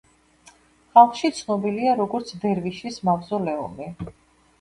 ხალხში ცნობილია როგორც „დერვიშის“ მავზოლეუმი.